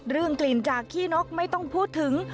กลิ่นจากขี้นกไม่ต้องพูดถึง